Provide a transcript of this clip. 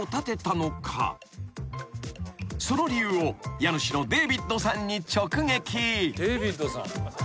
［その理由を家主のデービッドさんに直撃］